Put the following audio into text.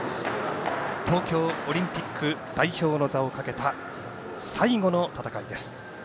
東京オリンピック代表の座をかけた最後の戦いです。